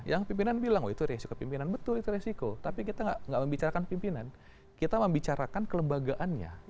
yang pimpinan bilang oh itu resiko pimpinan betul itu resiko tapi kita tidak membicarakan pimpinan kita membicarakan kelembagaannya